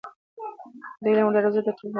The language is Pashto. د علم دروازې د ټولو پر مخ خلاصې دي.